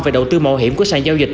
về đầu tư mộ hiểm của sản giao dịch